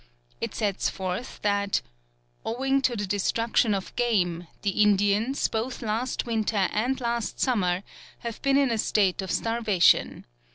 It sets forth that "owing to the destruction of game, the Indians, both last winter and last summer, have been in a state of starvation.